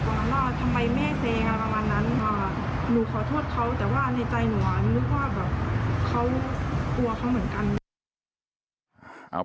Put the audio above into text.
ว่าทำไมไม่ให้เซงอ่ะประมาณนั้นว่าหนูขอโทษเขาแต่ว่าในใจหนูอ่ะ